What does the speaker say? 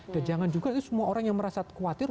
dan jangan juga semua orang yang merasa khawatir